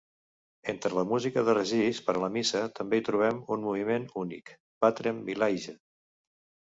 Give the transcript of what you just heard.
Entre la música de Regis per a la missa també hi trobem un moviment únic, "Patrem Vilayge".